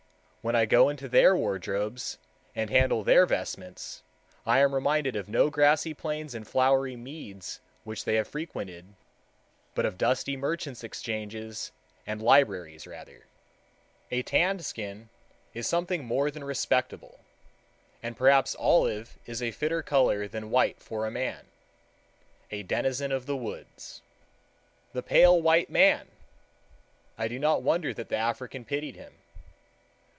When I go into their wardrobes and handle their vestments, I am reminded of no grassy plains and flowery meads which they have frequented, but of dusty merchants' exchanges and libraries rather. A tanned skin is something more than respectable, and perhaps olive is a fitter color than white for a man—a denizen of the woods. "The pale white man!" I do not wonder that the African pitied him.